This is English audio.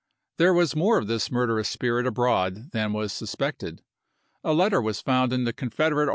There was more of this murderous spirit abroad than was conspiracy suspected. A letter was found in the Confederate w!